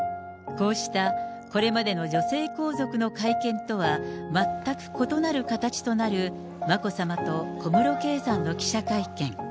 こうした、これまでの女性皇族の会見とは、全く異なる形となる、眞子さまと小室圭さんの記者会見。